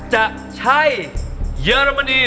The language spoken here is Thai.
จะใช่เยอรมนี